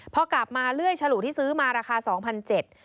พอกลับมาเลื่อยฉลูที่ซื้อมาราคา๒๗๐๐บาท